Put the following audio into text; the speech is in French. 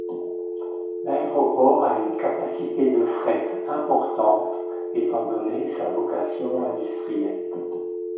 L'aéroport a une capacité de fret importante étant donnée sa vocation industrielle.